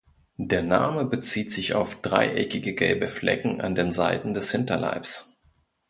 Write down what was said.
Der Name bezieht sich auf dreieckige gelbe Flecken an den Seiten des Hinterleibs.